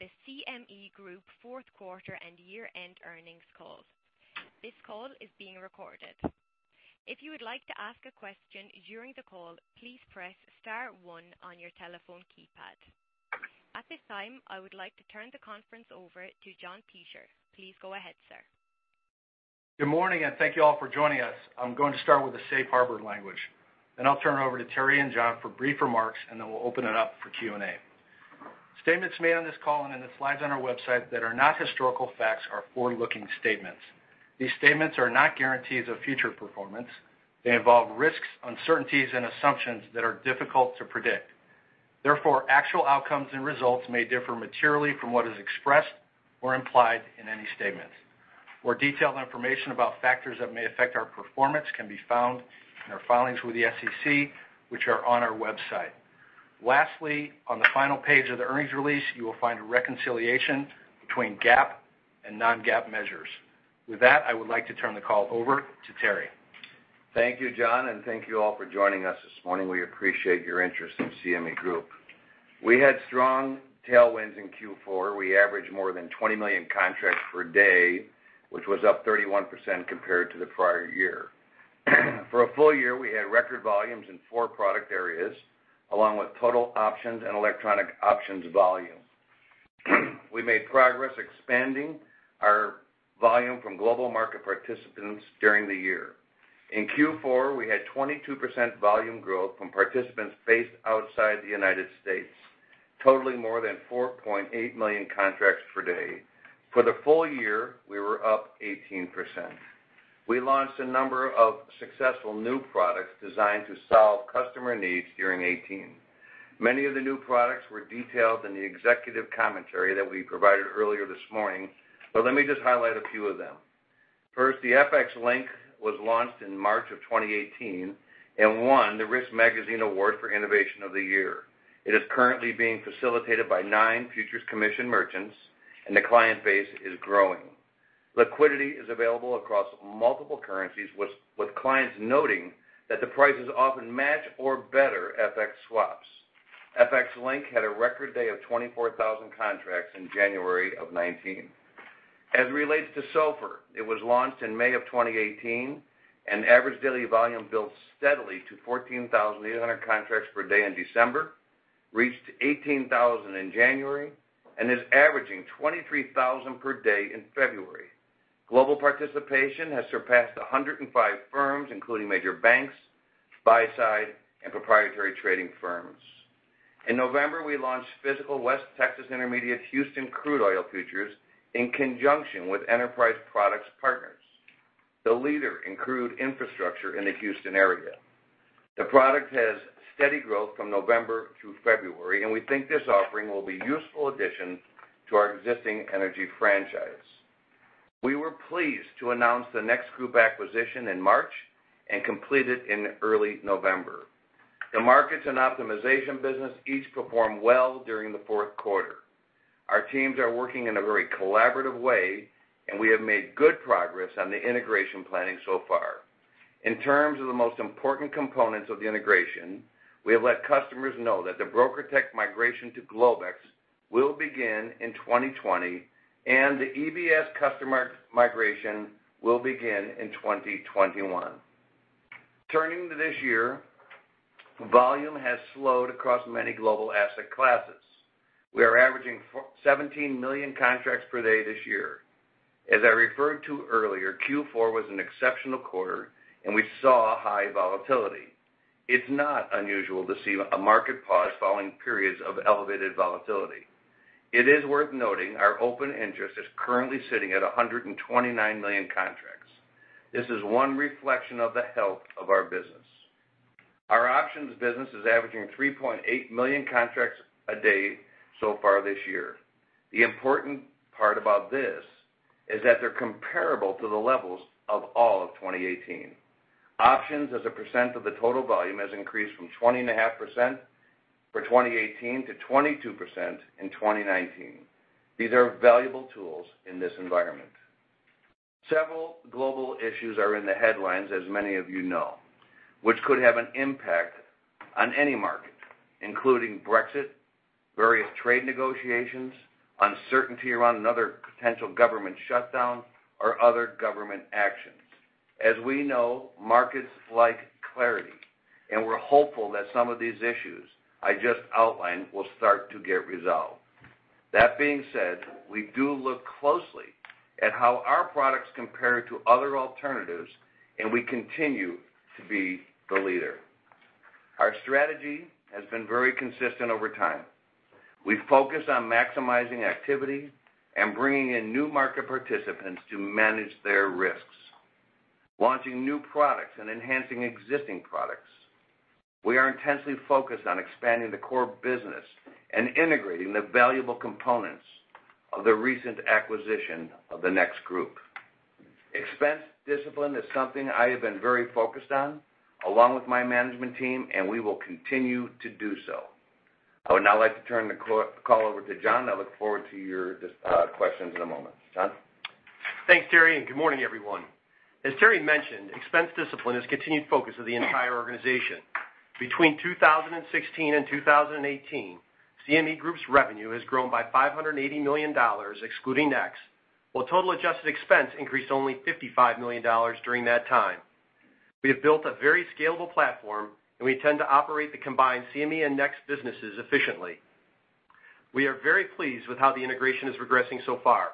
The CME Group Fourth Quarter and Year-end Earnings Call. This call is being recorded. If you would like to ask a question during the call, please press star one on your telephone keypad. At this time, I would like to turn the conference over to John Peschier. Please go ahead, sir. Good morning. Thank you all for joining us. I'm going to start with the Safe Harbor language. I'll turn it over to Terry and John for brief remarks. We'll open it up for Q&A. Statements made on this call and in the slides on our website that are not historical facts are forward-looking statements. These statements are not guarantees of future performance. They involve risks, uncertainties, and assumptions that are difficult to predict. Therefore, actual outcomes and results may differ materially from what is expressed or implied in any statements. More detailed information about factors that may affect our performance can be found in our filings with the SEC, which are on our website. Lastly, on the final page of the earnings release, you will find a reconciliation between GAAP and non-GAAP measures. With that, I would like to turn the call over to Terry. Thank you, John. Thank you all for joining us this morning. We appreciate your interest in CME Group. We had strong tailwinds in Q4. We averaged more than 20 million contracts per day, which was up 31% compared to the prior year. For a full year, we had record volumes in four product areas, along with total options and electronic options volume. We made progress expanding our volume from global market participants during the year. In Q4, we had 22% volume growth from participants based outside the United States, totaling more than 4.8 million contracts per day. For the full year, we were up 18%. We launched a number of successful new products designed to solve customer needs during 2018. Many of the new products were detailed in the executive commentary that we provided earlier this morning. Let me just highlight a few of them. First, the FX Link was launched in March of 2018. It won the Risk Magazine Award for Innovation of the Year. It is currently being facilitated by nine futures commission merchants. The client base is growing. Liquidity is available across multiple currencies, with clients noting that the prices often match or better FX swaps. FX Link had a record day of 24,000 contracts in January of 2019. As it relates to SOFR, it was launched in May of 2018. Average daily volume built steadily to 14,800 contracts per day in December, reached 18,000 in January. It is averaging 23,000 per day in February. Global participation has surpassed 105 firms, including major banks, buy-side, and proprietary trading firms. In November, we launched physical West Texas Intermediate Houston crude oil futures in conjunction with Enterprise Products Partners, the leader in crude infrastructure in the Houston area. The product has steady growth from November through February. We think this offering will be useful addition to our existing energy franchise. We were pleased to announce the NEX Group acquisition in March and completed in early November. The markets and optimization business each performed well during the fourth quarter. Our teams are working in a very collaborative way, and we have made good progress on the integration planning so far. In terms of the most important components of the integration, we have let customers know that the BrokerTec migration to Globex will begin in 2020. The EBS customer migration will begin in 2021. Turning to this year, volume has slowed across many global asset classes. We are averaging 17 million contracts per day this year. As I referred to earlier, Q4 was an exceptional quarter. We saw high volatility. It's not unusual to see a market pause following periods of elevated volatility. It is worth noting our open interest is currently sitting at 129 million contracts. This is one reflection of the health of our business. Our options business is averaging 3.8 million contracts a day so far this year. The important part about this is that they're comparable to the levels of all of 2018. Options as a percent of the total volume has increased from 20.5 % for 2018 to 22% in 2019. These are valuable tools in this environment. Several global issues are in the headlines, as many of you know, which could have an impact on any market, including Brexit, various trade negotiations, uncertainty around another potential government shutdown, or other government actions. Markets like clarity. We're hopeful that some of these issues I just outlined will start to get resolved. That being said, we do look closely at how our products compare to other alternatives. We continue to be the leader. Our strategy has been very consistent over time. We focus on maximizing activity and bringing in new market participants to manage their risks, launching new products and enhancing existing products. We are intensely focused on expanding the core business and integrating the valuable components of the recent acquisition of the NEX Group. Expense discipline is something I have been very focused on, along with my management team. We will continue to do so. I would now like to turn the call over to John. I look forward to your questions in a moment. John? Thanks, Terry. Good morning, everyone. Terry mentioned, expense discipline has continued focus of the entire organization. Between 2016 and 2018, CME Group's revenue has grown by $580 million, excluding NEX, while total adjusted expense increased only $55 million during that time. We have built a very scalable platform. We intend to operate the combined CME and NEX businesses efficiently. We are very pleased with how the integration is progressing so far.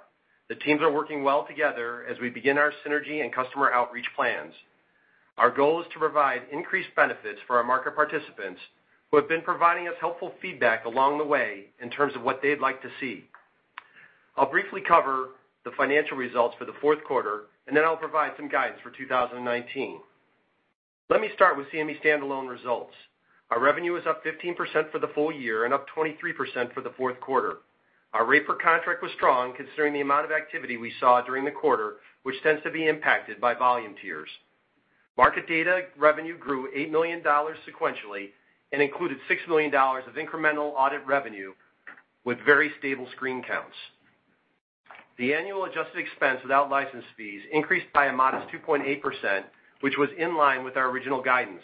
The teams are working well together as we begin our synergy and customer outreach plans. Our goal is to provide increased benefits for our market participants who have been providing us helpful feedback along the way in terms of what they'd like to see. I'll briefly cover the financial results for the fourth quarter. Then I'll provide some guidance for 2019. Let me start with CME standalone results. Our revenue is up 15% for the full year and up 23% for the fourth quarter. Our rate per contract was strong considering the amount of activity we saw during the quarter, which tends to be impacted by volume tiers. Market data revenue grew $8 million sequentially and included $6 million of incremental audit revenue with very stable screen counts. The annual adjusted expense without license fees increased by a modest 2.8%, which was in line with our original guidance.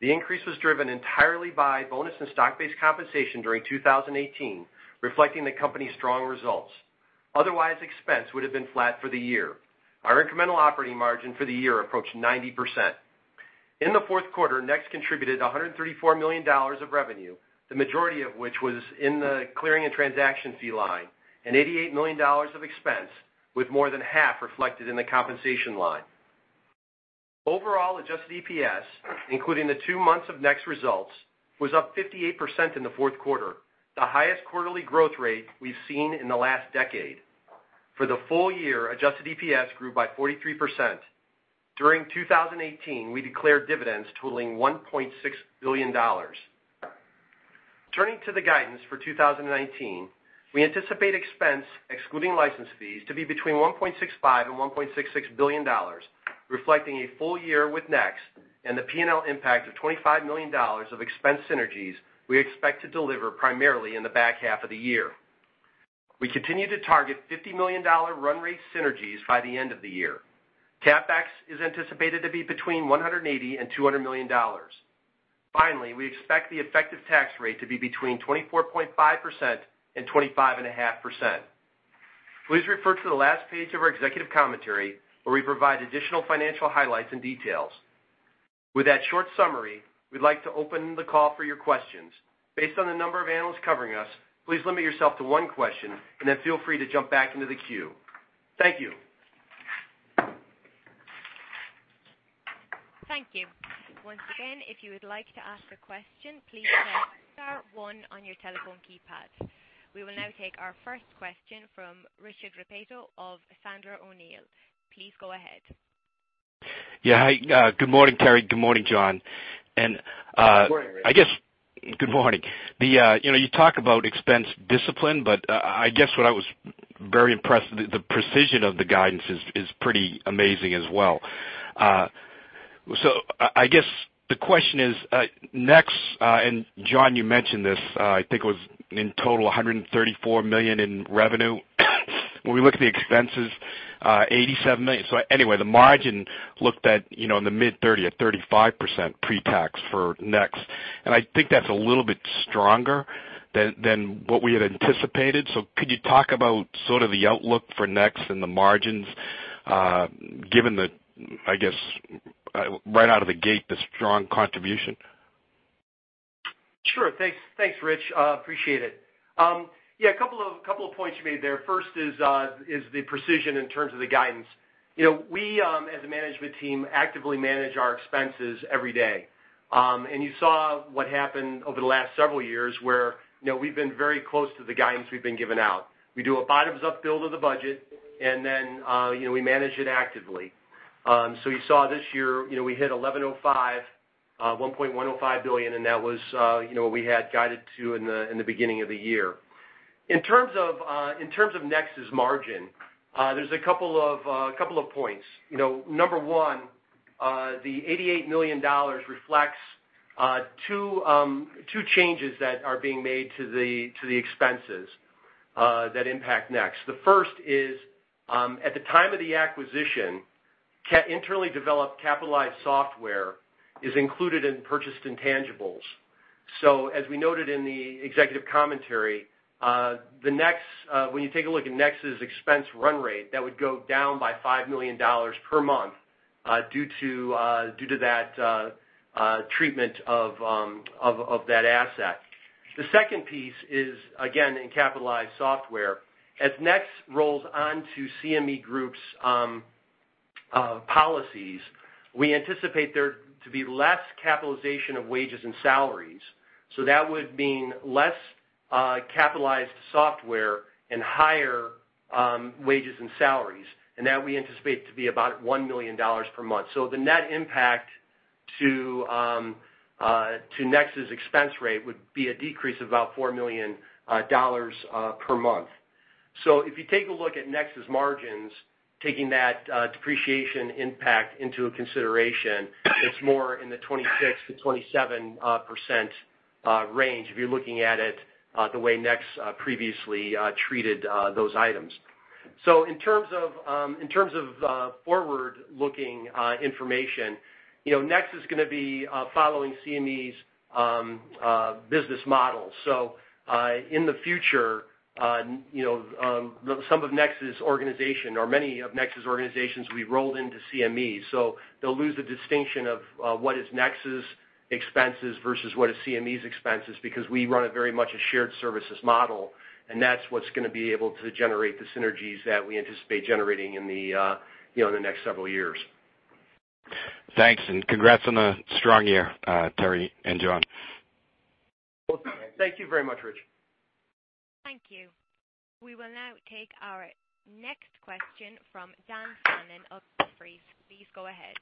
The increase was driven entirely by bonus and stock-based compensation during 2018, reflecting the company's strong results. Otherwise, expense would've been flat for the year. Our incremental operating margin for the year approached 90%. In the fourth quarter, NEX contributed $134 million of revenue, the majority of which was in the clearing and transaction fee line, and $88 million of expense, with more than half reflected in the compensation line. Overall adjusted EPS, including the two months of NEX results, was up 58% in the fourth quarter, the highest quarterly growth rate we've seen in the last decade. For the full year, adjusted EPS grew by 43%. During 2018, we declared dividends totaling $1.6 billion. Turning to the guidance for 2019, we anticipate expense, excluding license fees, to be between $1.65 billion and $1.66 billion, reflecting a full year with NEX and the P&L impact of $25 million of expense synergies we expect to deliver primarily in the back half of the year. We continue to target $50 million run rate synergies by the end of the year. CapEx is anticipated to be between $180 million and $200 million. Finally, we expect the effective tax rate to be between 24.5% and 25.5%. Please refer to the last page of our executive commentary, where we provide additional financial highlights and details. With that short summary, we'd like to open the call for your questions. Based on the number of analysts covering us, please limit yourself to one question, and then feel free to jump back into the queue. Thank you. Thank you. Once again, if you would like to ask a question, please press star one on your telephone keypad. We will now take our first question from Richard Repetto of Sandler O'Neill. Please go ahead. Yeah. Hi, good morning, Terry. Good morning, John? Good morning, Rich. Good morning. You talk about expense discipline, I guess what I was very impressed, the precision of the guidance is pretty amazing as well. I guess the question is, NEX, and John, you mentioned this, I think it was in total, $134 million in revenue. When we look at the expenses, $87 million. Anyway, the margin looked at in the mid 30% at 35% pre-tax for NEX, and I think that's a little bit stronger than what we had anticipated. Could you talk about sort of the outlook for NEX and the margins, given the, I guess, right out of the gate, the strong contribution? Sure. Thanks, Rich. Appreciate it. Yeah, a couple of points you made there. First is the precision in terms of the guidance. We as a management team actively manage our expenses every day. You saw what happened over the last several years where we've been very close to the guidance we've been giving out. We do a bottoms-up build of the budget, we manage it actively. You saw this year, we hit $1.105 billion, that was what we had guided to in the beginning of the year. In terms of NEX's margin, there's a couple of points. Number one, the $88 million reflects two changes that are being made to the expenses that impact NEX. The first is, at the time of the acquisition, internally developed capitalized software is included in purchased intangibles. As we noted in the executive commentary, when you take a look at NEX's expense run rate, that would go down by $5 million per month due to that treatment of that asset. The second piece is, again, in capitalized software. As NEX rolls on to CME Group's policies, we anticipate there to be less capitalization of wages and salaries. That would mean less capitalized software and higher wages and salaries, and that we anticipate to be about $1 million per month. The net impact to NEX's expense rate would be a decrease of about $4 million per month. If you take a look at NEX's margins, taking that depreciation impact into a consideration, it's more in the 26%-27% range if you're looking at it the way NEX previously treated those items. In terms of forward-looking information, NEX is going to be following CME's business model. In the future some of NEX's organization or many of NEX's organizations will be rolled into CME. They'll lose the distinction of what is NEX's expenses versus what is CME's expenses because we run a very much a shared services model, and that's what's going to be able to generate the synergies that we anticipate generating in the next several years. Thanks and congrats on a strong year, Terry and John. Thank you very much, Rich. Thank you. We will now take our next question from Dan Fannon of Jefferies. Please go ahead.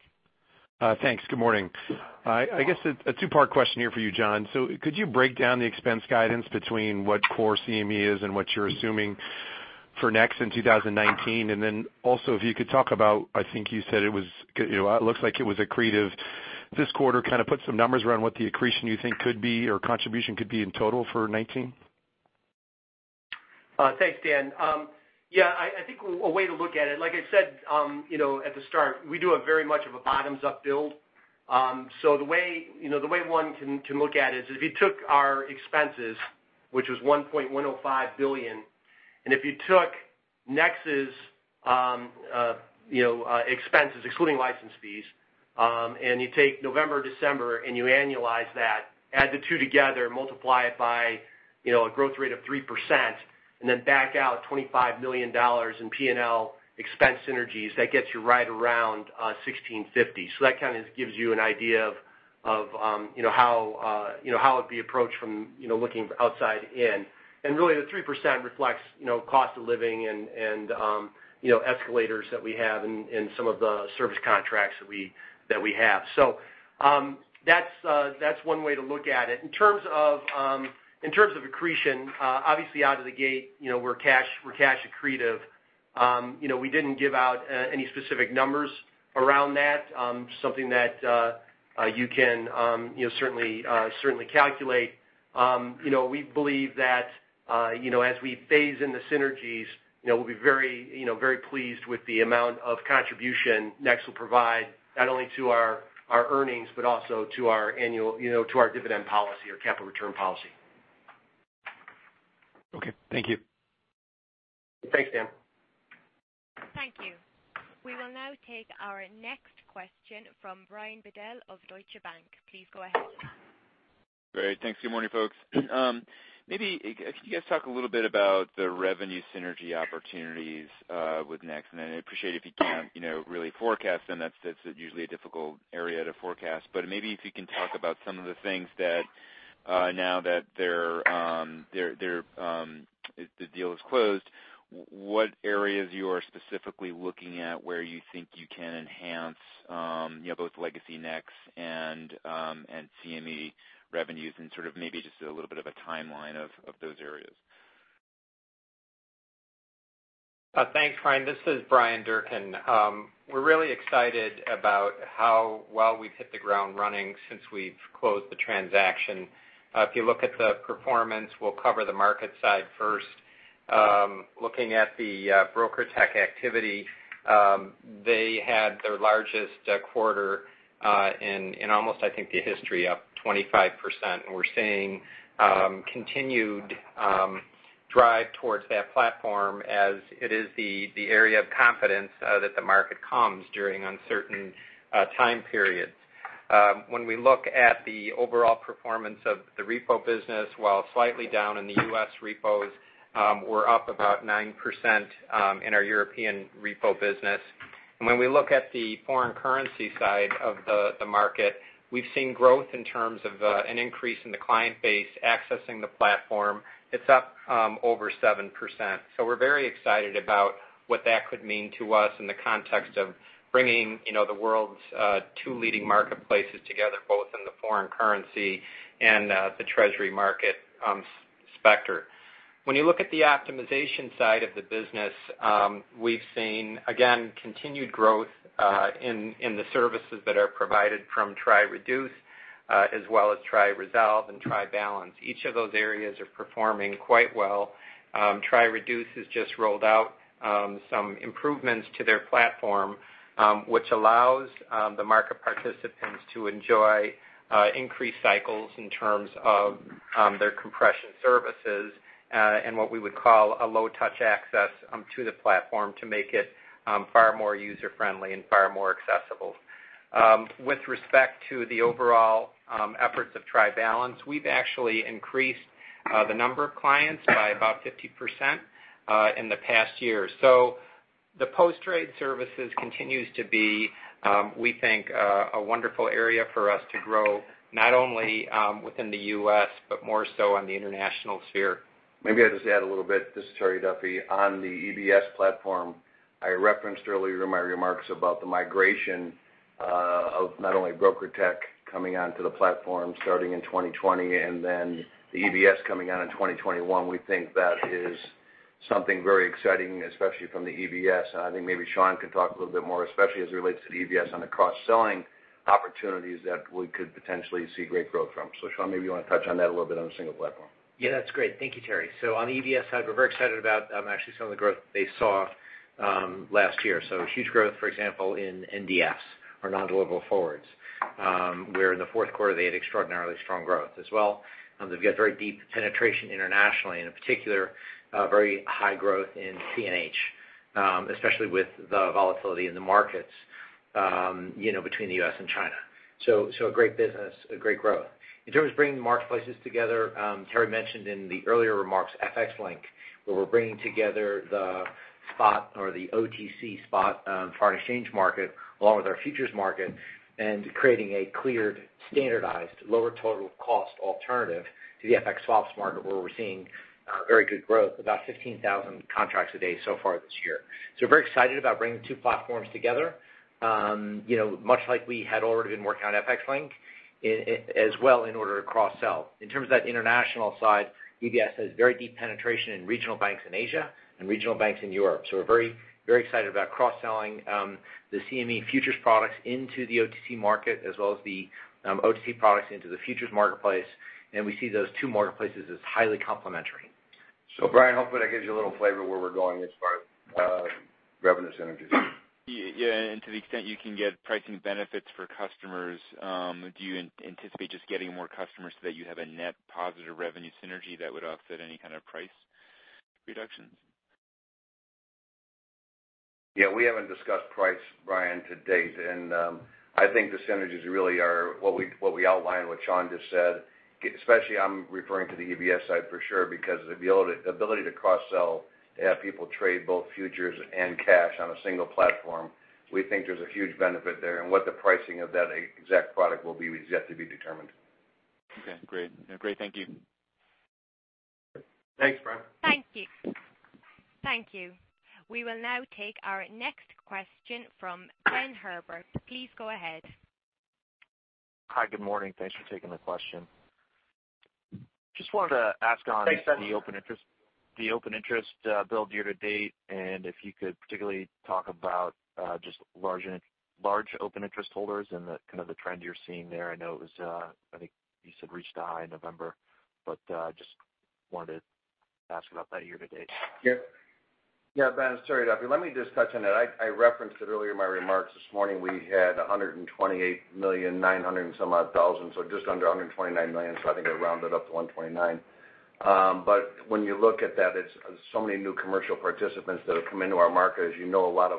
Thanks. Good morning. I guess a two-part question here for you, John. Could you break down the expense guidance between what core CME is and what you're assuming for NEX in 2019? Also if you could talk about, I think you said it looks like it was accretive this quarter, kind of put some numbers around what the accretion you think could be or contribution could be in total for 2019. Thanks, Dan. I think a way to look at it, like I said at the start, we do a very much of a bottoms-up build. The way one can look at it is if you took our expenses, which was $1.105 billion, if you took NEX's expenses, excluding license fees, you take November, December, and you annualize that, add the two together, multiply it by a growth rate of 3%, then back out $25 million in P&L expense synergies, that gets you right around 1,650. That kind of gives you an idea of how it'd be approached from looking outside in. Really the 3% reflects cost of living and escalators that we have in some of the service contracts that we have. That's one way to look at it. In terms of accretion, obviously out of the gate we're cash accretive. We didn't give out any specific numbers around that. Something that you can certainly calculate. We believe that as we phase in the synergies, we'll be very pleased with the amount of contribution NEX will provide not only to our earnings, but also to our dividend policy or capital return policy. Okay. Thank you. Thanks, Dan. Thank you. We will now take our next question from Brian Bedell of Deutsche Bank. Please go ahead. Great. Thanks. Good morning, folks. Maybe if you guys talk a little bit about the revenue synergy opportunities with NEX. I appreciate if you can't really forecast them, that's usually a difficult area to forecast, but maybe if you can talk about some of the things that now that the deal is closed, what areas you are specifically looking at where you think you can enhance both legacy NEX and CME revenues and sort of maybe just a little bit of a timeline of those areas? Thanks, Brian. This is Bryan Durkin. We're really excited about how well we've hit the ground running since we've closed the transaction. If you look at the performance, we'll cover the market side first. Looking at the BrokerTec activity, they had their largest quarter in almost, I think the history, up 25%, and we're seeing continued drive towards that platform as it is the area of confidence that the market comes during uncertain time periods. When we look at the overall performance of the repo business, while slightly down in the U.S. repos, we're up about 9% in our European repo business. When we look at the foreign currency side of the market, we've seen growth in terms of an increase in the client base accessing the platform. It's up over 7%. We're very excited about what that could mean to us in the context of bringing the world's two leading marketplaces together, both in the foreign currency and the Treasury market sector. When you look at the optimization side of the business, we've seen, again, continued growth in the services that are provided from triReduce, as well as triResolve and triBalance. Each of those areas are performing quite well. triReduce has just rolled out some improvements to their platform, which allows the market participants to enjoy increased cycles in terms of their compression services, and what we would call a low touch access to the platform to make it far more user-friendly and far more accessible. With respect to the overall efforts of triBalance, we've actually increased the number of clients by about 50% in the past year. The post-trade services continues to be, we think, a wonderful area for us to grow, not only within the U.S., but more so on the international sphere. Maybe I'll just add a little bit. This is Terry Duffy. On the EBS platform, I referenced earlier in my remarks about the migration of not only BrokerTec coming onto the platform starting in 2020 and then. The EBS coming out in 2021, we think that is something very exciting, especially from the EBS. I think maybe Sean can talk a little bit more, especially as it relates to the EBS on the cross-selling opportunities that we could potentially see great growth from. Sean, maybe you want to touch on that a little bit on a single platform. Yeah, that's great. Thank you, Terry. On the EBS side, we're very excited about actually some of the growth they saw last year. Huge growth, for example, in NDFs or non-deliverable forwards, where in the fourth quarter they had extraordinarily strong growth as well. They've got very deep penetration internationally, and in particular, very high growth in CNH, especially with the volatility in the markets between the U.S. and China. A great business, a great growth. In terms of bringing the marketplaces together, Terry mentioned in the earlier remarks, FX Link, where we're bringing together the spot or the OTC spot, foreign exchange market, along with our futures market and creating a cleared, standardized, lower total cost alternative to the FX swaps market, where we're seeing very good growth, about 15,000 contracts a day so far this year. We're very excited about bringing the two platforms together. Much like we had already been working on FX Link as well in order to cross-sell. In terms of that international side, EBS has very deep penetration in regional banks in Asia and regional banks in Europe. We're very excited about cross-selling the CME futures products into the OTC market as well as the OTC products into the futures marketplace and we see those two marketplaces as highly complementary. Brian, hopefully that gives you a little flavor of where we're going as far as revenue synergies. Yeah, to the extent you can get pricing benefits for customers, do you anticipate just getting more customers so that you have a net positive revenue synergy that would offset any kind of price reductions? Yeah. We haven't discussed price, Brian, to date. I think the synergies really are what we outlined, what Sean just said, especially I'm referring to the EBS side for sure because the ability to cross-sell to have people trade both futures and cash on a single platform, we think there's a huge benefit there and what the pricing of that exact product will be is yet to be determined. Okay, great. Thank you. Thanks, Brian. Thank you. We will now take our next question from Benjamin Herbert. Please go ahead. Hi, good morning. Thanks for taking the question. Just wanted to ask on. Thanks, Ben The open interest build year to date, and if you could particularly talk about just large open interest holders and the kind of the trend you're seeing there. I know it was, I think you said reached a high in November, but just wanted to ask about that year to date. Ben. Sorry about that. Let me just touch on that. I referenced it earlier in my remarks this morning, we had $128 million, 900 and some odd thousand, so just under $129 million. I think I rounded up to $129 million. When you look at that, it's so many new commercial participants that have come into our market. As you know, a lot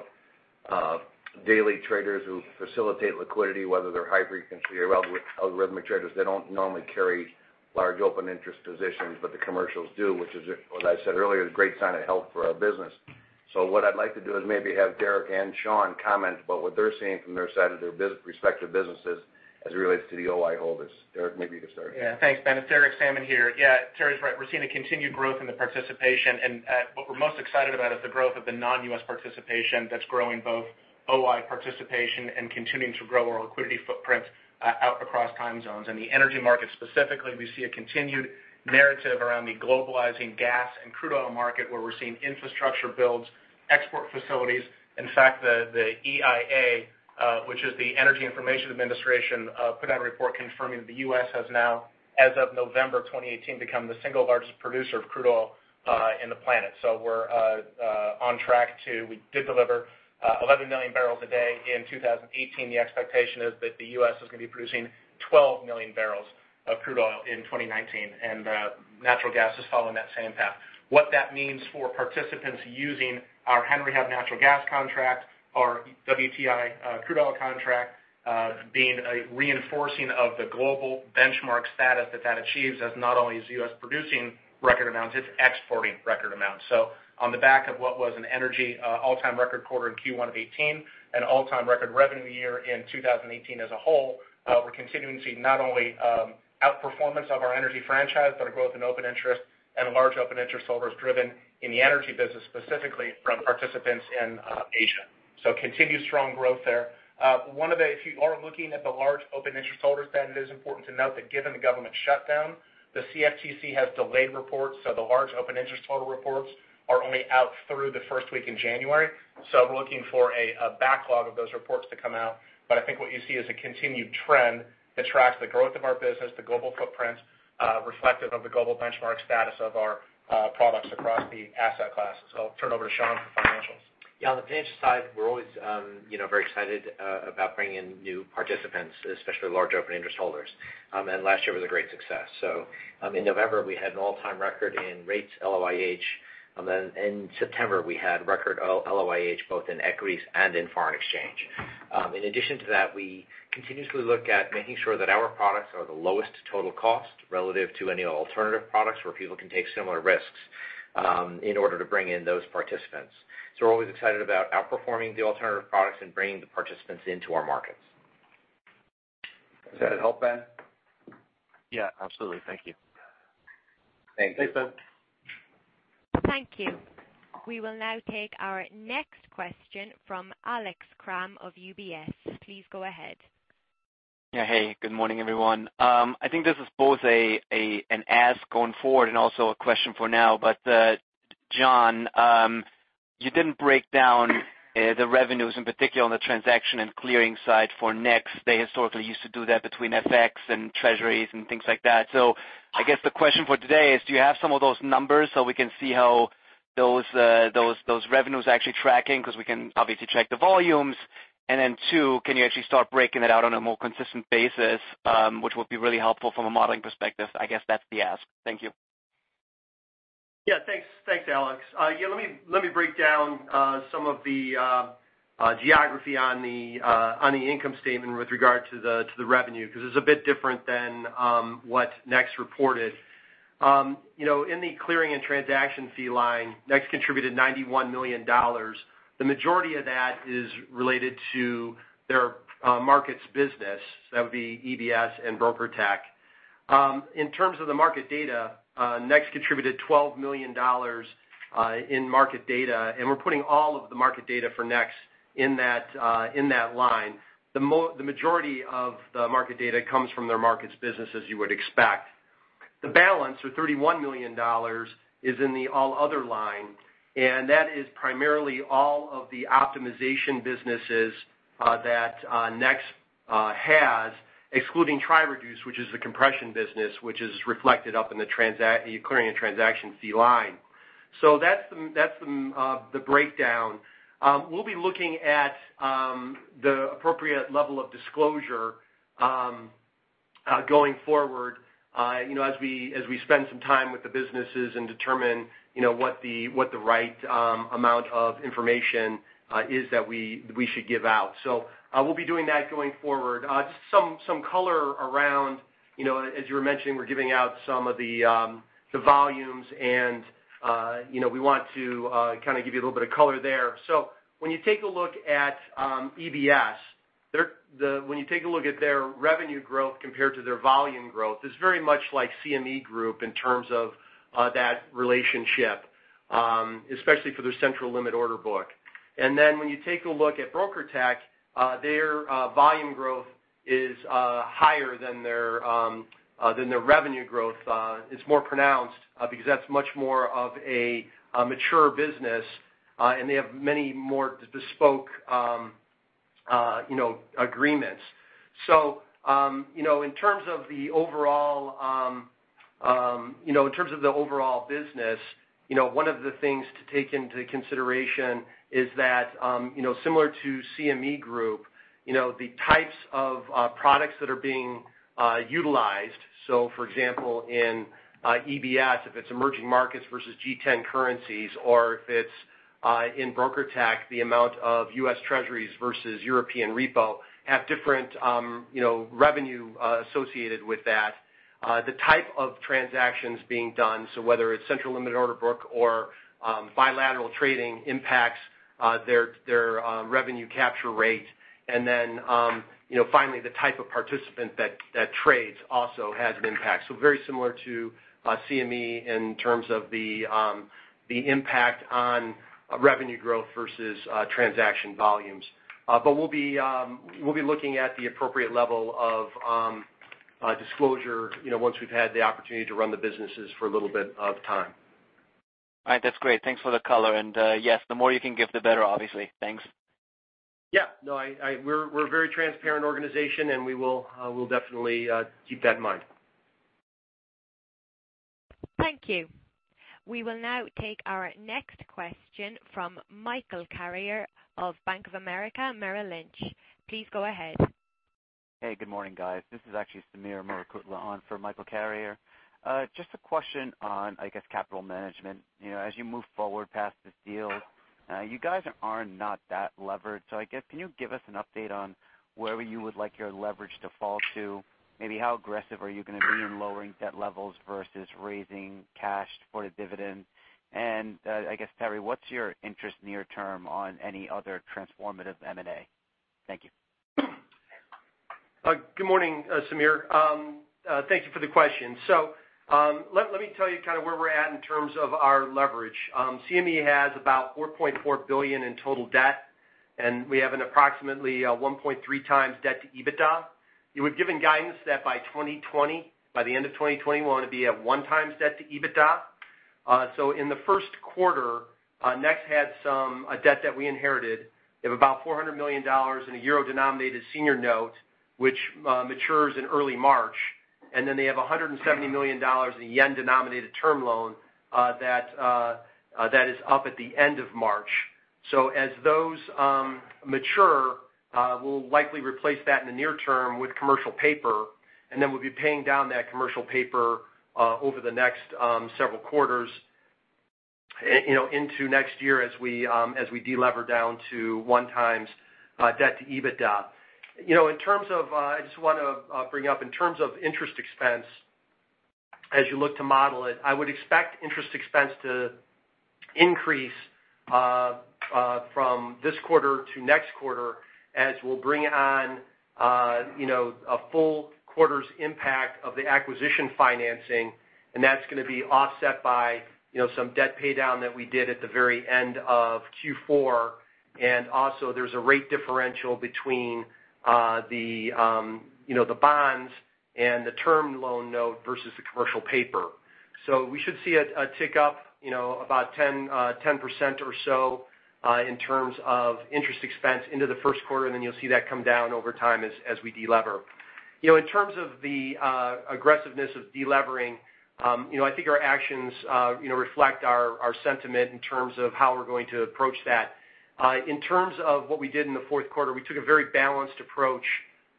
of daily traders who facilitate liquidity, whether they're high-frequency or algorithmic traders, they don't normally carry large open interest positions, but the commercials do, which is, as I said earlier, is a great sign of health for our business. What I'd like to do is maybe have Derek and Sean comment about what they're seeing from their side of their respective businesses as it relates to the OI holders. Derek, maybe you could start. Thanks, Ben. It's Derek Sammann here. Terry's right. We're seeing a continued growth in the participation and what we're most excited about is the growth of the non-U.S. participation that's growing both OI participation and continuing to grow our liquidity footprint out across time zones. In the energy market specifically, we see a continued narrative around the globalizing gas and crude oil market where we're seeing infrastructure builds, export facilities. In fact, the EIA, which is the U.S. Energy Information Administration, put out a report confirming the U.S. has now, as of November 2018, become the single largest producer of crude oil in the planet. We did deliver 11 million barrels a day in 2018. The expectation is that the U.S. is going to be producing 12 million barrels of crude oil in 2019 and natural gas is following that same path. What that means for participants using our Henry Hub natural gas contract, our WTI crude oil contract, being a reinforcing of the global benchmark status that that achieves as not only is the U.S. producing record amounts, it's exporting record amounts. On the back of what was an energy all-time record quarter in Q1 of 2018, an all-time record revenue year in 2018 as a whole, we're continuing to see not only outperformance of our energy franchise, but a growth in open interest and large open interest holders driven in the energy business specifically from participants in Asia. Continued strong growth there. If you are looking at the large open interest holders, Ben, it is important to note that given the government shutdown, the CFTC has delayed reports, so the large open interest holder reports are only out through the first week in January. We're looking for a backlog of those reports to come out. I think what you see is a continued trend that tracks the growth of our business, the global footprint, reflective of the global benchmark status of our products across the asset classes. I'll turn it over to Sean for financials. Yeah. On the financial side, we're always very excited about bringing in new participants, especially large open interest holders. Last year was a great success. In November, we had an all-time record in rates, LOIH, and then in September we had record LOIH both in equities and in foreign exchange. In addition to that, we continuously look at making sure that our products are the lowest total cost relative to any alternative products where people can take similar risks in order to bring in those participants. We're always excited about outperforming the alternative products and bringing the participants into our markets. Does that help, Ben? Yeah, absolutely. Thank you. Thank you. Thanks, Ben. Thank you. We will now take our next question from Alex Kramm of UBS. Please go ahead. Yeah. Hey, good morning, everyone. I think this is both an ask going forward and also a question for now. John, you didn't break down the revenues, in particular on the transaction and clearing side for NEX. They historically used to do that between FX and Treasuries and things like that. I guess the question for today is, do you have some of those numbers so we can see how those revenues are actually tracking? Because we can obviously track the volumes. Two, can you actually start breaking it out on a more consistent basis, which will be really helpful from a modeling perspective? I guess that's the ask. Thank you. Yeah. Thanks, Alex. Yeah, let me break down some of the geography on the income statement with regard to the revenue, because it's a bit different than what NEX reported. In the clearing and transaction fee line, NEX contributed $91 million. The majority of that is related to their markets business. So that would be EBS and BrokerTec. In terms of the market data, NEX contributed $12 million in market data, and we're putting all of the market data for NEX in that line. The majority of the market data comes from their markets business, as you would expect. The balance of $31 million is in the all other line, and that is primarily all of the optimization businesses that NEX has, excluding TriReduce, which is the compression business, which is reflected up in the clearing and transaction fee line. That's the breakdown. We'll be looking at the appropriate level of disclosure going forward as we spend some time with the businesses and determine what the right amount of information is that we should give out. We'll be doing that going forward. Just some color around, as you were mentioning, we're giving out some of the volumes and we want to give you a little bit of color there. When you take a look at EBS, when you take a look at their revenue growth compared to their volume growth, it's very much like CME Group in terms of that relationship, especially for their central limit order book. When you take a look at BrokerTec, their volume growth is higher than their revenue growth. It's more pronounced because that's much more of a mature business. They have many more bespoke agreements. In terms of the overall business, one of the things to take into consideration is that, similar to CME Group, the types of products that are being utilized, so for example, in EBS, if it's emerging markets versus G10 currencies or if it's in BrokerTec, the amount of U.S. Treasuries versus European repo, have different revenue associated with that. The type of transactions being done, so whether it's central limit order book or bilateral trading impacts their revenue capture rate. Finally, the type of participant that trades also has an impact. Very similar to CME in terms of the impact on revenue growth versus transaction volumes. We'll be looking at the appropriate level of disclosure once we've had the opportunity to run the businesses for a little bit of time. All right. That's great. Thanks for the color, and yes, the more you can give, the better, obviously. Thanks. Yeah. No, we're a very transparent organization, and we'll definitely keep that in mind. Thank you. We will now take our next question from Michael Carrier of Bank of America Merrill Lynch. Please go ahead. Hey, good morning, guys. This is actually Sameer Murukutla on for Michael Carrier. Just a question on, I guess, capital management. As you move forward past this deal, you guys are not that levered. I guess, can you give us an update on where you would like your leverage to fall to? Maybe how aggressive are you going to be in lowering debt levels versus raising cash for the dividend? I guess, Terry, what's your interest near term on any other transformative M&A? Thank you. Good morning, Sameer. Thank you for the question. Let me tell you kind of where we're at in terms of our leverage. CME has about $4.4 billion in total debt, and we have an approximately 1.3x debt to EBITDA. We've given guidance that by 2020, by the end of 2020, we want to be at one times debt to EBITDA. In the first quarter, NEX had some debt that we inherited of about EUR 400 million in a euro-denominated senior note, which matures in early March, and then they have JPY 170 million in a yen-denominated term loan that is up at the end of March. As those mature, we'll likely replace that in the near term with commercial paper, and then we'll be paying down that commercial paper over the next several quarters into next year as we de-lever down to 1x debt to EBITDA. I just want to bring up, in terms of interest expense, as you look to model it, I would expect interest expense to increase From this quarter to next quarter, as we'll bring on a full quarter's impact of the acquisition financing, that's going to be offset by some debt paydown that we did at the very end of Q4. Also, there's a rate differential between the bonds and the term loan note versus the commercial paper. We should see a tick up about 10% or so in terms of interest expense into the first quarter, then you'll see that come down over time as we de-lever. In terms of the aggressiveness of de-levering, I think our actions reflect our sentiment in terms of how we're going to approach that. In terms of what we did in the fourth quarter, we took a very balanced approach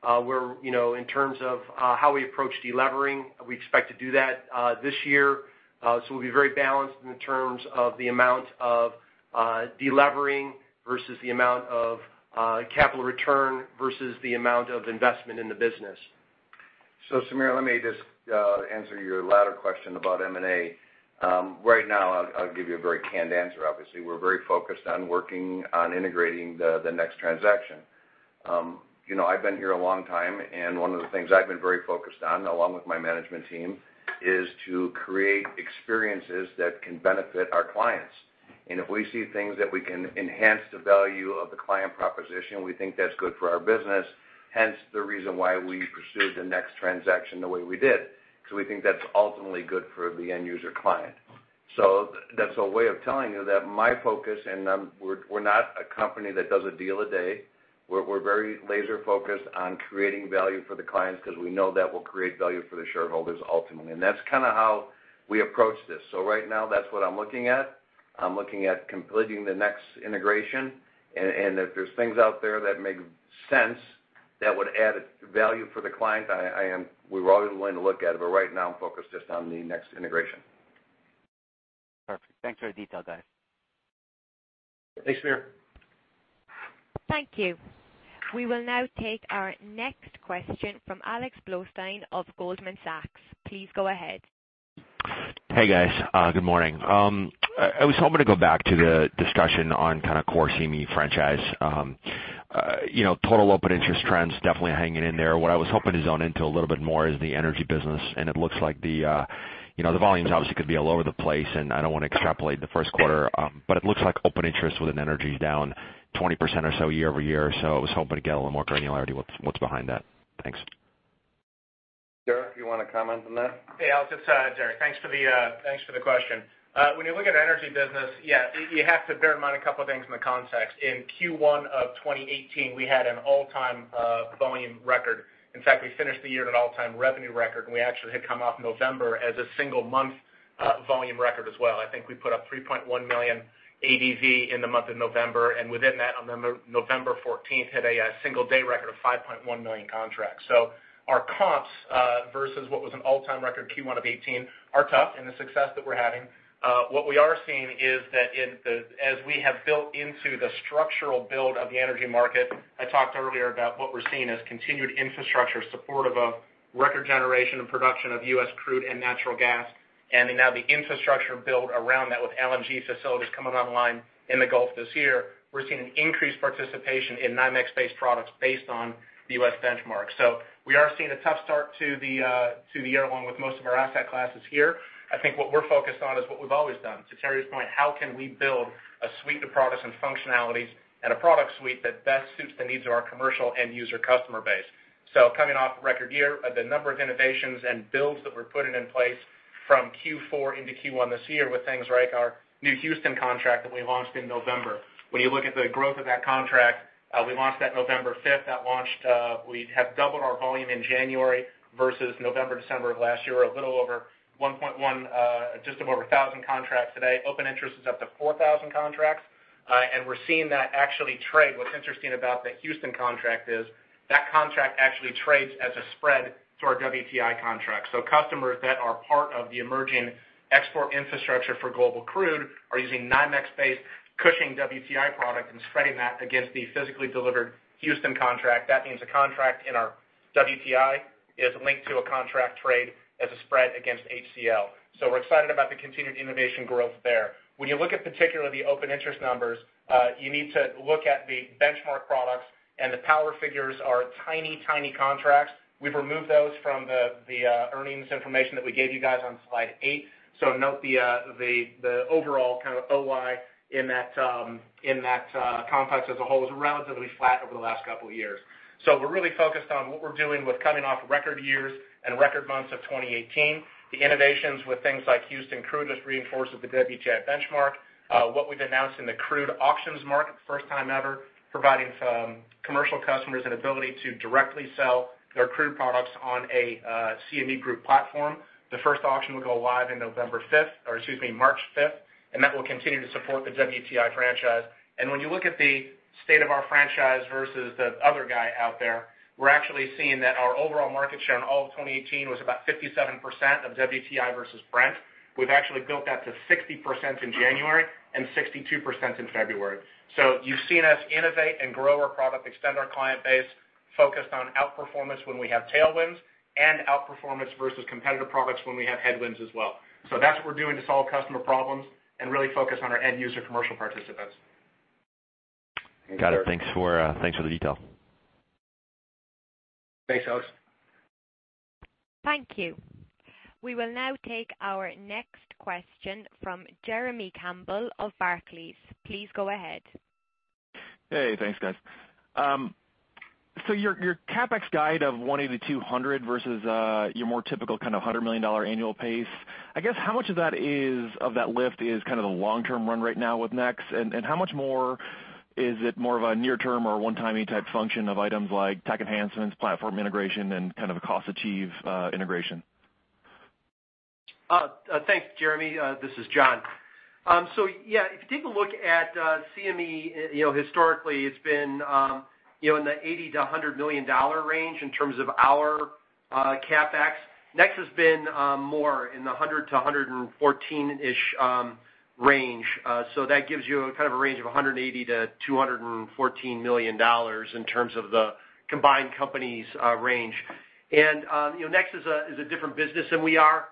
in terms of how we approach de-levering. We expect to do that this year. We'll be very balanced in terms of the amount of de-levering versus the amount of capital return versus the amount of investment in the business. Sameer, let me just answer your latter question about M&A. Right now, I'll give you a very canned answer. Obviously, we're very focused on working on integrating the NEX transaction. I've been here a long time, one of the things I've been very focused on, along with my management team, is to create experiences that can benefit our clients. If we see things that we can enhance the value of the client proposition, we think that's good for our business, hence the reason why we pursued the NEX transaction the way we did, because we think that's ultimately good for the end user client. That's a way of telling you that my focus, and we're not a company that does a deal a day. We're very laser focused on creating value for the clients because we know that will create value for the shareholders ultimately. That's how we approach this. Right now, that's what I'm looking at. I'm looking at completing the NEX integration, if there's things out there that make sense, that would add value for the client, we're always willing to look at it. Right now, I'm focused just on the NEX integration. Perfect. Thanks for the detail, guys. Thanks, Sameer. Thank you. We will now take our next question from Alexander Blostein of Goldman Sachs. Please go ahead. Hey, guys. Good morning. I was hoping to go back to the discussion on kind of core CME franchise. Total open interest trends definitely hanging in there. What I was hoping to zone into a little bit more is the energy business, and it looks like the volumes obviously could be all over the place, and I don't want to extrapolate the first quarter, but it looks like open interest within energy is down 20% or so year-over-year. I was hoping to get a little more granularity what's behind that. Thanks. Derek, you want to comment on that? Hey, Alex, it's Derek. Thanks for the question. When you look at energy business, yeah, you have to bear in mind a couple of things in the context. In Q1 of 2018, we had an all-time volume record. In fact, we finished the year at an all-time revenue record, and we actually had come off November as a single month volume record as well. I think we put up 3.1 million ADV in the month of November, and within that, on November 14th, hit a single day record of 5.1 million contracts. Our comps versus what was an all-time record Q1 of 2018 are tough and the success that we're having. What we are seeing is that as we have built into the structural build of the energy market, I talked earlier about what we're seeing as continued infrastructure support of a record generation and production of U.S. crude and natural gas, and now the infrastructure build around that with LNG facilities coming online in the Gulf this year. We're seeing an increased participation in NYMEX-based products based on the U.S. benchmark. We are seeing a tough start to the year along with most of our asset classes here. I think what we're focused on is what we've always done. To Terry's point, how can we build a suite of products and functionalities and a product suite that best suits the needs of our commercial end user customer base? Coming off a record year, the number of innovations and builds that we're putting in place from Q4 into Q1 this year with things like our new Houston contract that we launched in November. When you look at the growth of that contract, we launched that November 5th. We have doubled our volume in January versus November, December of last year, a little over 1.1, just over 1,000 contracts today. Open interest is up to 4,000 contracts, and we're seeing that actually trade. What's interesting about the Houston contract is that contract actually trades as a spread to our WTI contract. Customers that are part of the emerging export infrastructure for global crude are using NYMEX-based Cushing WTI product and spreading that against the physically delivered Houston contract. That means a contract in our WTI is linked to a contract trade as a spread against HCL. We're excited about the continued innovation growth there. When you look at particularly the open interest numbers, you need to look at the benchmark products, and the power figures are tiny contracts. We've removed those from the earnings information that we gave you guys on slide eight. Note the overall OI in that complex as a whole is relatively flat over the last couple of years. We're really focused on what we're doing with coming off record years and record months of 2018. The innovations with things like Houston Crude just reinforces the WTI benchmark. What we've announced in the crude auctions market, the first time ever, providing some commercial customers an ability to directly sell their crude products on a CME Group platform. The first auction will go live in November 5th, or excuse me, March 5th, that will continue to support the WTI franchise. When you look at the state of our franchise versus the other guy out there, we're actually seeing that our overall market share in all of 2018 was about 57% of WTI versus Brent. We've actually built that to 60% in January and 62% in February. You've seen us innovate and grow our product, extend our client base, focused on outperformance when we have tailwinds, and outperformance versus competitive products when we have headwinds as well. That's what we're doing to solve customer problems and really focus on our end user commercial participants. Got it. Thanks for the detail. Thanks, Alex. Thank you. We will now take our next question from Jeremy Campbell of Barclays. Please go ahead. Hey, thanks guys. Your CapEx guide of $180 million-$200 million versus your more typical $100 million annual pace, I guess, how much of that lift is kind of the long-term run right now with NEX? How much more is it more of a near term or a 1-time type function of items like tech enhancements, platform integration, and a cost achieve integration? Thanks, Jeremy. This is John. Yeah, if you take a look at CME, historically it's been in the $80 million - $100 million range in terms of our CapEx. NEX has been more in the $100 million - $114 million-ish range. That gives you a range of $180 million-$214 million in terms of the combined company's range. NEX is a different business than we are.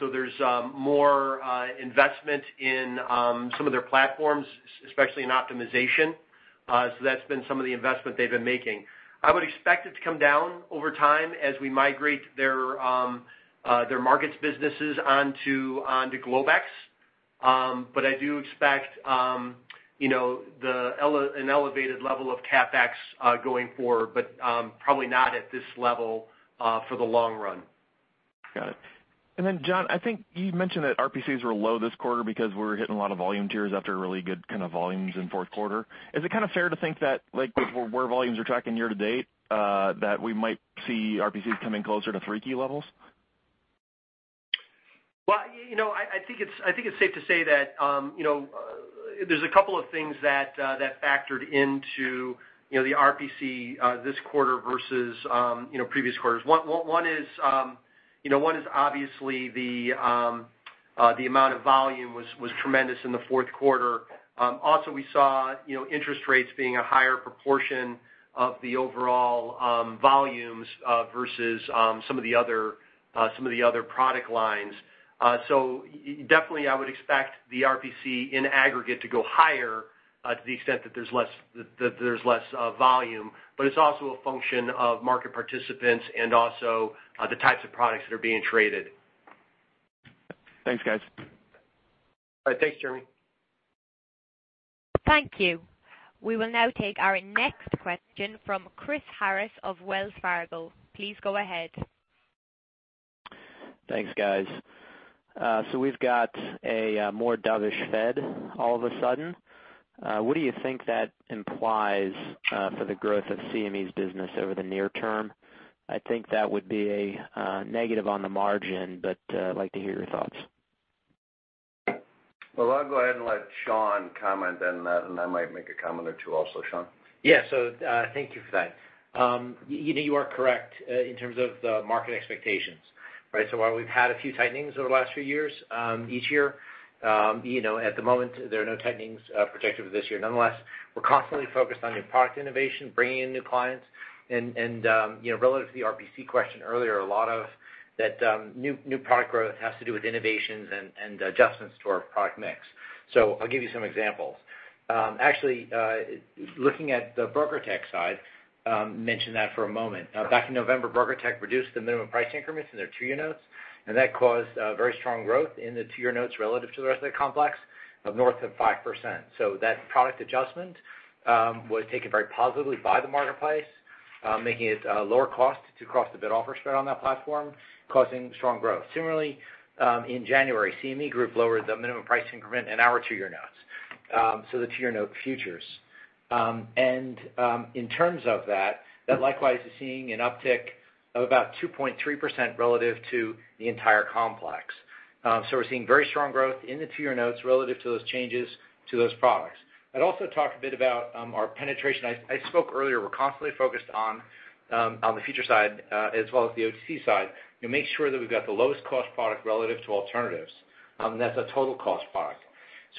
There's more investment in some of their platforms, especially in optimization. That's been some of the investment they've been making. I would expect it to come down over time as we migrate their markets businesses onto CME Globex. I do expect an elevated level of CapEx, going forward, but probably not at this level for the long run. Got it. Then, John, I think you mentioned that RPCs were low this quarter because we were hitting a lot of volume tiers after really good kind of volumes in fourth quarter. Is it kind of fair to think that, like with where volumes are tracking year to date, that we might see RPCs coming closer to 3Q levels? I think it's safe to say that there's a couple of things that factored into the RPC this quarter versus previous quarters. One is obviously the amount of volume was tremendous in the fourth quarter. Also, we saw interest rates being a higher proportion of the overall volumes versus some of the other product lines. Definitely I would expect the RPC in aggregate to go higher to the extent that there's less volume, but it's also a function of market participants and also the types of products that are being traded. Thanks, guys. All right. Thanks, Jeremy. Thank you. We will now take our next question from Chris Harris of Wells Fargo. Please go ahead. Thanks, guys. We've got a more dovish Fed all of a sudden. What do you think that implies for the growth of CME's business over the near term? I think that would be a negative on the margin, but I'd like to hear your thoughts. Well, I'll go ahead and let Sean comment on that, and I might make a comment or two also. Sean? Yeah. Thank you for that. You are correct in terms of the market expectations, right? While we've had a few tightenings over the last few years, each year, at the moment, there are no tightenings projected for this year. Nonetheless, we're constantly focused on new product innovation, bringing in new clients and, relative to the RPC question earlier, a lot of that new product growth has to do with innovations and adjustments to our product mix. I'll give you some examples. Actually, looking at the BrokerTec side, mention that for a moment. Back in November, BrokerTec reduced the minimum price increments in their two-year notes, and that caused very strong growth in the two-year notes relative to the rest of the complex of north of 5%. That product adjustment was taken very positively by the marketplace, making it lower cost to cross the bid-offer spread on that platform, causing strong growth. Similarly, in January, CME Group lowered the minimum price increment in our two-year notes, the two-year note futures. In terms of that likewise is seeing an uptick of about 2.3% relative to the entire complex. We're seeing very strong growth in the two-year notes relative to those changes to those products. I'd also talk a bit about our penetration. I spoke earlier, we're constantly focused on the future side as well as the OTC side to make sure that we've got the lowest cost product relative to alternatives. That's a total cost product.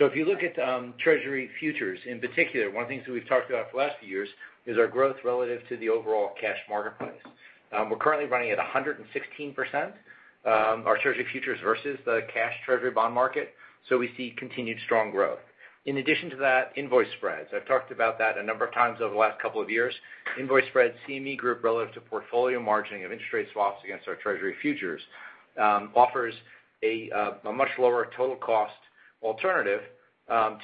If you look at Treasury Futures in particular, one of the things that we've talked about for the last few years is our growth relative to the overall cash marketplace. We're currently running at 116%, our Treasury Futures versus the cash Treasury bond market. We see continued strong growth. In addition to that, invoice spreads, I've talked about that a number of times over the last couple of years. Invoice spreads CME Group relative to portfolio margining of interest rate swaps against our Treasury Futures offers a much lower total cost alternative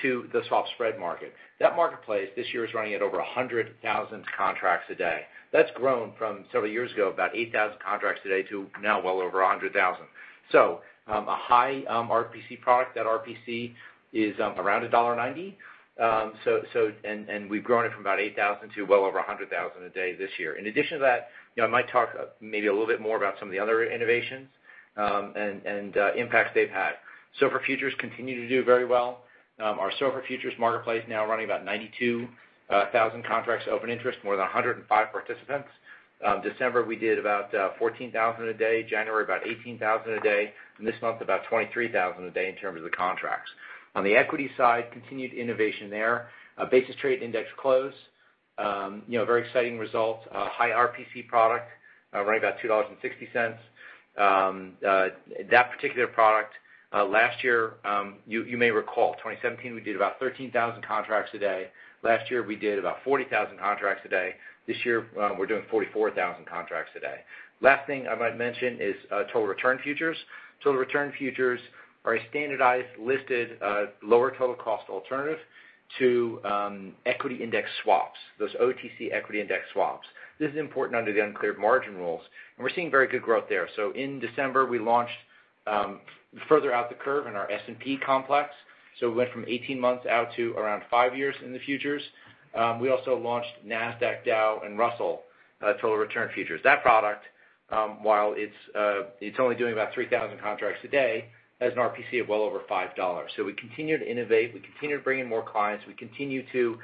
to the swap spread market. That marketplace this year is running at over 100,000 contracts a day. That's grown from several years ago, about 8,000 contracts a day to now well over 100,000. A high RPC product, that RPC is around $1.90. We've grown it from about 8,000 to well over 100,000 a day this year. In addition to that, I might talk maybe a little bit more about some of the other innovations and impacts they've had. SOFR Futures continue to do very well. Our SOFR Futures marketplace now running about 92,000 contracts of open interest, more than 105 participants. December, we did about 14,000 a day, January, about 18,000 a day, and this month about 23,000 a day in terms of the contracts. On the equity side, continued innovation there. Basis Trade at Index Close. Very exciting results. A high RPC product, right about $2.60. That particular product, last year, you may recall, 2017, we did about 13,000 contracts a day. Last year, we did about 40,000 contracts a day. This year, we're doing 44,000 contracts a day. Last thing I might mention is Total Return futures. Total Return futures are a standardized, listed, lower total cost alternative to equity index swaps, those OTC equity index swaps. This is important under the Uncleared Margin Rules, and we're seeing very good growth there. In December, we launched further out the curve in our S&P complex. We went from 18 months out to around five years in the futures. We also launched Nasdaq, Dow, and Russell Total Return futures. That product, while it's only doing about 3,000 contracts a day, has an RPC of well over $5. We continue to innovate, we continue to bring in more clients, we continue to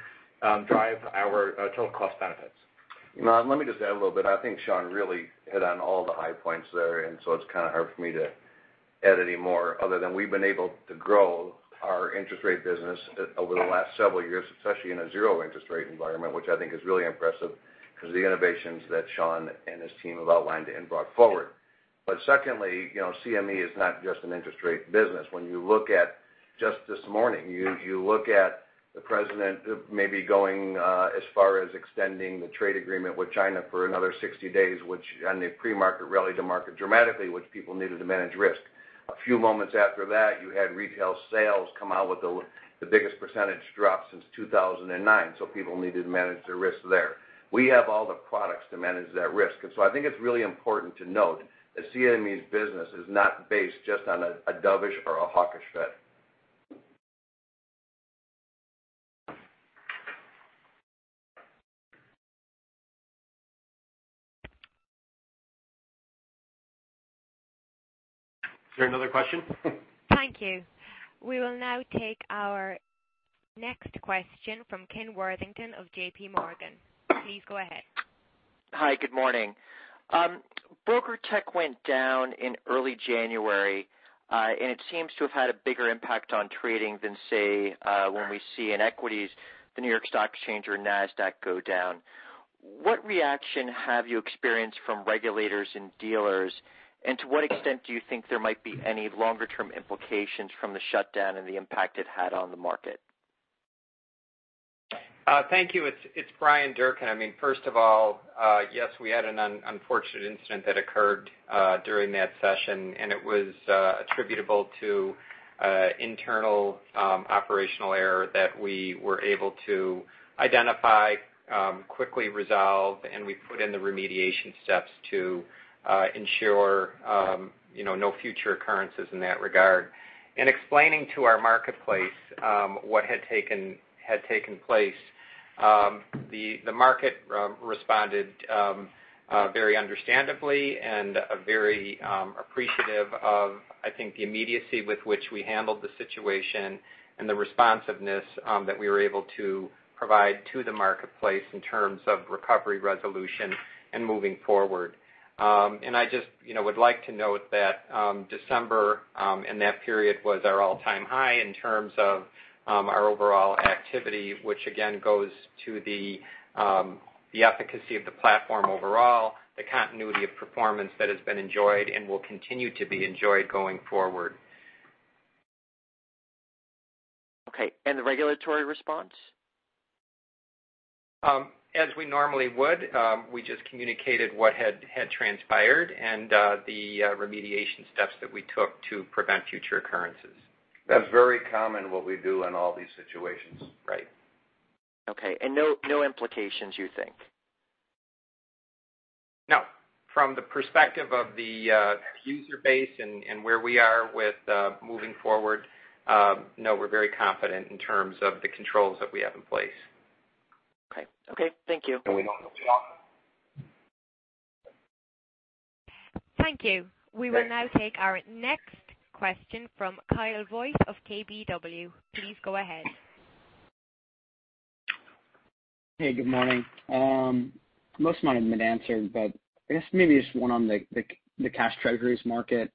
drive our total cost benefits. Let me just add a little bit. I think Sean really hit on all the high points there, and it's kind of hard for me to add any more other than we've been able to grow our interest rate business over the last several years, especially in a zero interest rate environment, which I think is really impressive because of the innovations that Sean and his team have outlined and brought forward. Secondly, CME is not just an interest rate business. When you look at just this morning, you look at the president maybe going as far as extending the trade agreement with China for another 60 days, which on the pre-market rallied the market dramatically, which people needed to manage risk. A few moments after that, you had retail sales come out with the biggest percentage drop since 2009, so people needed to manage their risk there. We have all the products to manage that risk. I think it's really important to note that CME's business is not based just on a dovish or a hawkish Fed. Is there another question? Thank you. We will now take our next question from Kenneth Worthington of J.P. Morgan. Please go ahead. Hi, good morning. BrokerTec went down in early January, it seems to have had a bigger impact on trading than, say, when we see in equities, the New York Stock Exchange or Nasdaq go down. What reaction have you experienced from regulators and dealers, and to what extent do you think there might be any longer-term implications from the shutdown and the impact it had on the market? Thank you. It's Bryan Durkin. First of all, yes, we had an unfortunate incident that occurred during that session, and it was attributable to internal operational error that we were able to identify, quickly resolve, and we put in the remediation steps to ensure no future occurrences in that regard. In explaining to our marketplace what had taken place, the market responded very understandably and very appreciative of, I think, the immediacy with which we handled the situation and the responsiveness that we were able to provide to the marketplace in terms of recovery resolution and moving forward. I just would like to note that December and that period was our all-time high in terms of our overall activity, which again goes to the efficacy of the platform overall, the continuity of performance that has been enjoyed and will continue to be enjoyed going forward. Okay, the regulatory response? As we normally would, we just communicated what had transpired and the remediation steps that we took to prevent future occurrences. That's very common, what we do in all these situations. Right. Okay, no implications, you think? No. From the perspective of the user base and where we are with moving forward, no, we're very confident in terms of the controls that we have in place. Okay. Thank you. We don't know Thank you. We will now take our next question from Kyle Voigt of KBW. Please go ahead. Hey, good morning. Most of mine have been answered, but I guess maybe just one on the cash Treasuries market.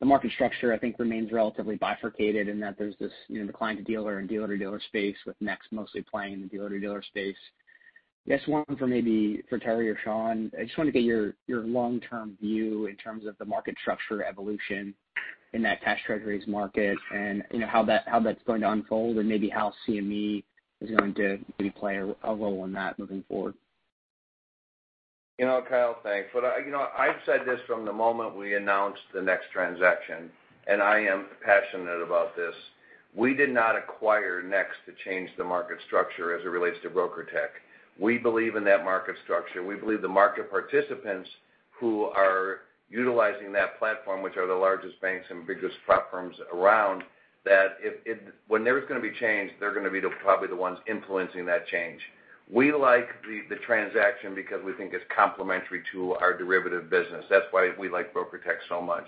The market structure, I think, remains relatively bifurcated in that there's this client-to-dealer and dealer-to-dealer space with NEX mostly playing in the dealer-to-dealer space. I guess one for maybe for Terry or Sean, I just wanted to get your long-term view in terms of the market structure evolution in that cash Treasuries market and how that's going to unfold and maybe how CME is going to maybe play a role in that moving forward. Kyle, thanks. I've said this from the moment we announced the NEX transaction. I am passionate about this. We did not acquire NEX to change the market structure as it relates to BrokerTec. We believe in that market structure. We believe the market participants who are utilizing that platform, which are the largest banks and biggest prop firms around, that when there's going to be change, they're going to be probably the ones influencing that change. We like the transaction because we think it's complementary to our derivative business. That's why we like BrokerTec so much.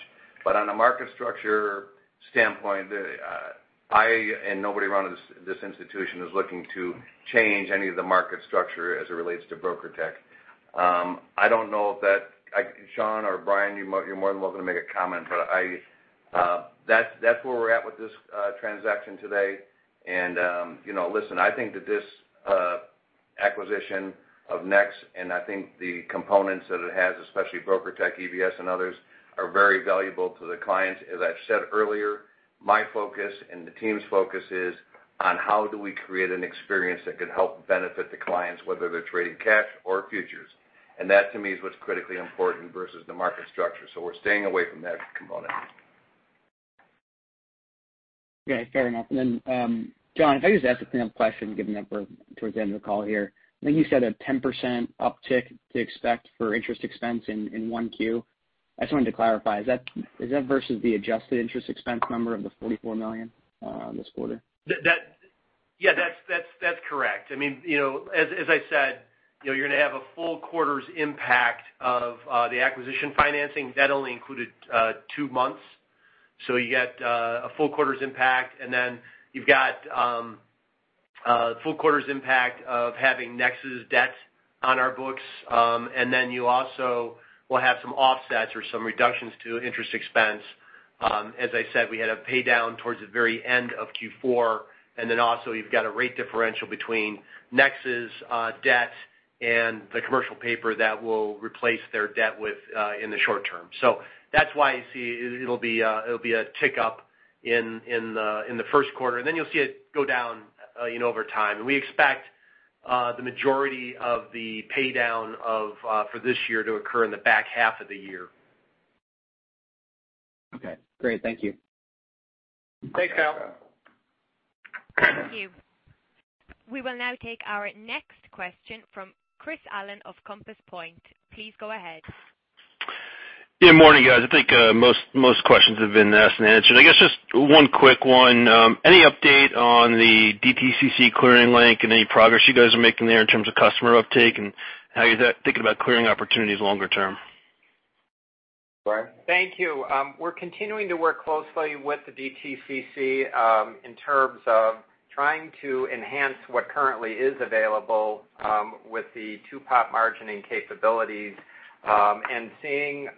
On a market structure standpoint, I, and nobody around this institution, is looking to change any of the market structure as it relates to BrokerTec. I don't know if that Sean or Bryan, you're more than welcome to make a comment. That's where we're at with this transaction today. Listen, I think that this acquisition of NEX and I think the components that it has, especially BrokerTec, EBS, and others, are very valuable to the clients. As I've said earlier, my focus and the team's focus is on how do we create an experience that could help benefit the clients, whether they're trading cash or futures. That, to me, is what's critically important versus the market structure. We're staying away from that component. Okay, fair enough. John, if I could just ask a cleanup question, given that we're towards the end of the call here. I think you said a 10% uptick to expect for interest expense in 1Q. I just wanted to clarify, is that versus the adjusted interest expense number of the $44 million this quarter? Yeah, that's correct. As I said, you're going to have a full quarter's impact of the acquisition financing. That only included two months. You got a full quarter's impact, you've got full quarter's impact of having NEX's debt on our books. You also will have some offsets or some reductions to interest expense. As I said, we had a pay down towards the very end of Q4. You've got a rate differential between NEX's debt and the commercial paper that we'll replace their debt with in the short term. That's why you see it'll be a tick up in the first quarter, you'll see it go down over time. We expect the majority of the pay down for this year to occur in the back half of the year. Okay, great. Thank you. Thanks, Kyle. Thank you. We will now take our next question from Chris Allen of Compass Point. Please go ahead. Good morning, guys. I think most questions have been asked and answered. I guess just one quick one. Any update on the DTCC clearing link and any progress you guys are making there in terms of customer uptake and how you're thinking about clearing opportunities longer term? Bryan? Thank you. We're continuing to work closely with the DTCC in terms of trying to enhance what currently is available with the two-part margining capabilities and seeing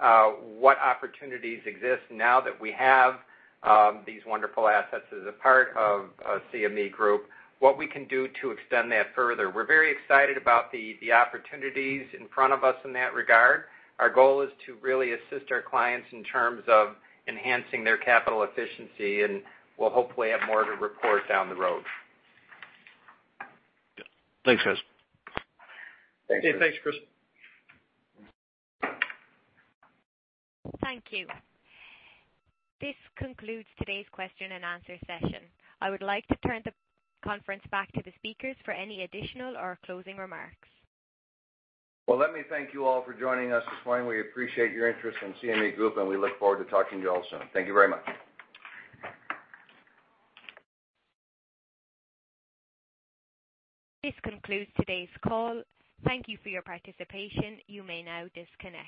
what opportunities exist now that we have these wonderful assets as a part of CME Group, what we can do to extend that further. We're very excited about the opportunities in front of us in that regard. Our goal is to really assist our clients in terms of enhancing their capital efficiency. We'll hopefully have more to report down the road. Thanks, Chris. Thanks, Chris. Thank you. This concludes today's question and answer session. I would like to turn the conference back to the speakers for any additional or closing remarks. Well, let me thank you all for joining us this morning. We appreciate your interest in CME Group, and we look forward to talking to you all soon. Thank you very much. This concludes today's call. Thank you for your participation. You may now disconnect.